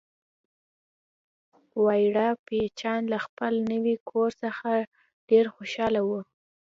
واړه بچیان له خپل نوي کور څخه ډیر خوشحاله وو